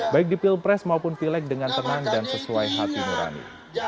baik di pilpres maupun pileg dengan tenang dan sesuai hati nurani